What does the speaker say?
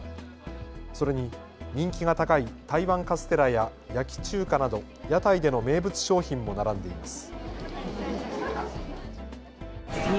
それに人気が高い台湾カステラや焼き中華など屋台での名物商品も並んでいます。